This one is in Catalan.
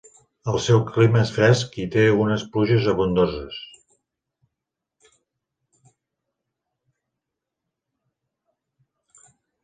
El seu clima és fresc i té unes pluges abundoses.